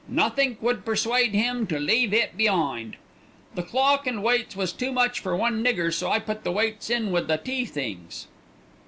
Nothink could persuade 'im to leave it be'ind. The clock and weights was too much for one nigger, so I put the weights in wi' the tea things."